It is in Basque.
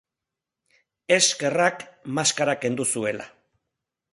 Eskerrak maskara kendu zuela.